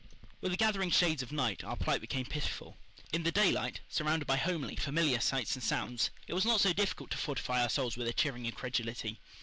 With the gathering shades of night our plight became pitiful. In the daylight, surrounded by homely, familiar sights and sounds, it was not so difficult to fortify our souls with a cheering incredulity.